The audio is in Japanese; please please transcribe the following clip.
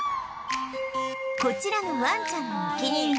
こちらのワンちゃんの「えっ？」